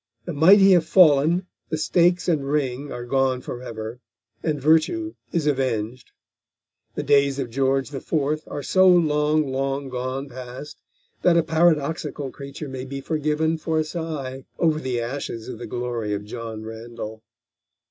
The mighty have fallen, the stakes and ring are gone forever, and Virtue is avenged. The days of George IV. are so long, long gone past that a paradoxical creature may be forgiven for a sigh over the ashes of the glory of John Randall.